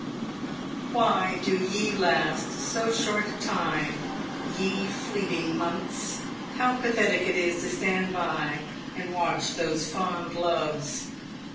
"Why do ye last so short a time, ye fleeting months ? How pathetic it is to stand by and watch those fond loves